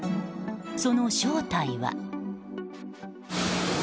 その正体は？